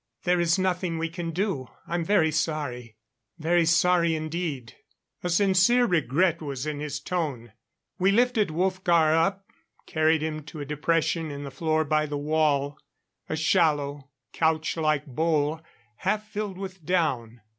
There is nothing we can do. I'm very sorry very sorry indeed." A sincere regret was in his tone. We lifted Wolfgar up, carried him to a depression in the floor by the wall a shallow, couch like bowl half filled with down.